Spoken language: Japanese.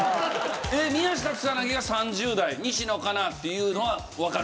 宮下草薙は３０代西野カナっていうのはわかる？